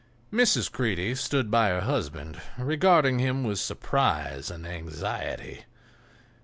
Mrs. Creede stood by her husband, regarding him with surprise and anxiety.